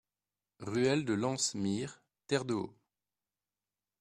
Ruelle de l'Anse Mire, Terre-de-Haut